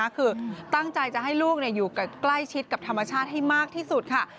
คือตั้งใจจะให้ลูกอยู่ใกล้ชิดกับธรรมชาติให้มากที่สุดค่ะ